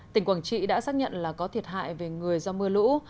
tỉnh quảng trị đã xác nhận là có thiệt hại về người do mưa lũ